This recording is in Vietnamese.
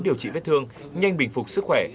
điều trị vết thương nhanh bình phục sức khỏe